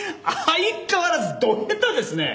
相変わらずドヘタですね。